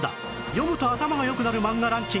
読むと頭が良くなる漫画ランキング